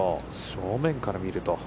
正面から見ると。